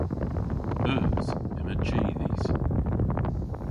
Eus. Yma chi dhis.